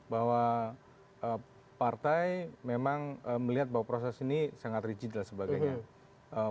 bahwa partai memang melihat bahwa proses ini sangat rigid dan sebagainya